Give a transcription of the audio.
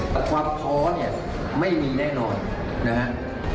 แต่ความท้อเนี่ยไม่มีแน่นอนนะครับ